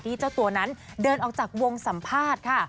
เจ้าตัวนั้นเดินออกจากวงสัมภาษณ์ค่ะ